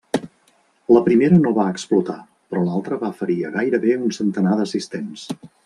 La primera no va explotar, però l'altra va ferir a gairebé un centenar d'assistents.